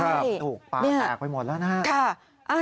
โปรดถูกปลาแตกไปหมดแล้วนะ